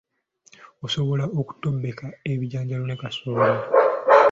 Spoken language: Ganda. Osobola okutobeka ebijanjaalo ne kasooli.